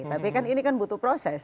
tapi kan ini kan butuh proses